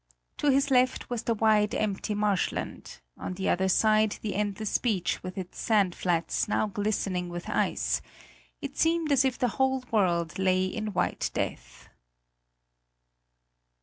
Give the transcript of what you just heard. To his left was the wide empty marshland, on the other side the endless beach with its sand flats now glistening with ice; it seemed as if the whole world lay in a white death.